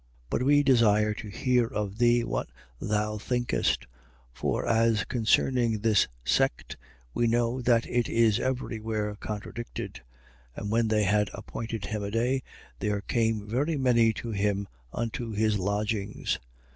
28:22. But we desire to hear of thee what thou thinkest: for as concerning this sect, we know that it is every where contradicted. 28:23. And when they had appointed him a day, there came very many to him unto his lodgings.